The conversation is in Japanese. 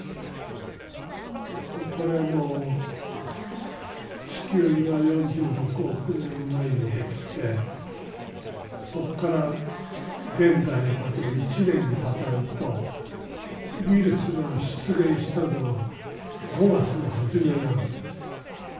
これはあの地球が４６億年前にできてそっから現代までを１年に例えるとウイルスが出現したのは５月の初めなんです。